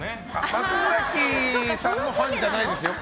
松崎さんのファンじゃないですよ。